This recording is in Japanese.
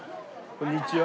こんにちは。